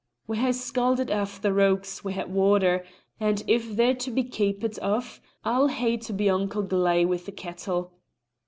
We hae scalded aff the rogues wi' het water, and if they're to be keepit aff, I'll hae to be unco gleg wi' the kettle."